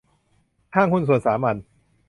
ห้างหุ้นส่วนสามัญ